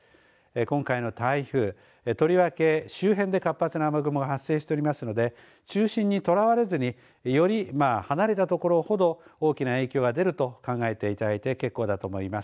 今回の台風とりわけ周辺で活発な雨雲が発生しておりますので中心にとらわれずにより離れたところほど大きな影響が出ると考えていただいて結構だと思います。